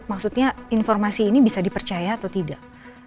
maksudnya informasi ini bisa dipercaya atau tidak